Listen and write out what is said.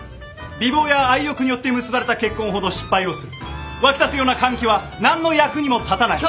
「美貌や愛欲によって結ばれた結婚ほど失敗をする」「沸き立つような歓喜は何の役にも立たない」